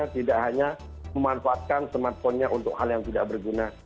tidak hanya memanfaatkan smartphone nya untuk hal yang tidak berguna